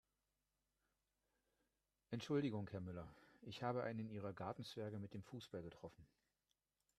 Entschuldigung Herr Müller, ich habe einen Ihrer Gartenzwerge mit dem Fußball getroffen.